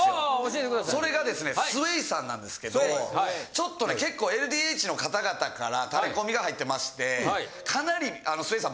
それがですねＳＷＡＹさんなんですけどちょっとね結構ＬＤＨの方々からタレコミが入ってましてかなりＳＷＡＹさん